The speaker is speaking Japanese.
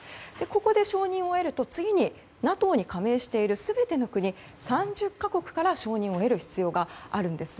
ここで承認を得ると次にＮＡＴＯに加盟をしている全ての国３０か国から承認を得る必要があるんです。